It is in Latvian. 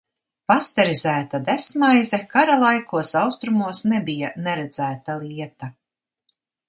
Pasterizēta desmaize kara laikos Austrumos nebija neredzēta lieta.